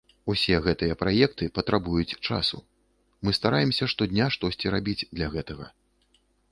Усе гэтыя праекты патрабуюць часу, мы стараемся штодня штосьці рабіць для гэтага.